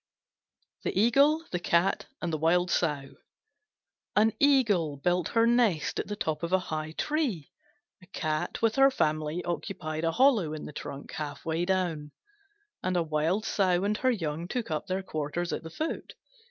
THE EAGLE, THE CAT, AND THE WILD SOW An Eagle built her nest at the top of a high tree; a Cat with her family occupied a hollow in the trunk half way down; and a Wild Sow and her young took up their quarters at the foot.